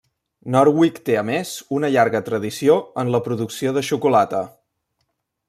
Norwich té a més una llarga tradició en la producció de xocolata.